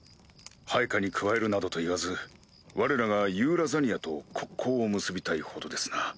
配下に加えるなどと言わずわれらがユーラザニアと国交を結びたいほどですな。